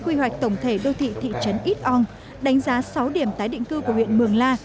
quy hoạch tổng thể đô thị thị trấn ít ong đánh giá sáu điểm tái định cư của huyện mường la